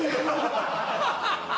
ハハハハ！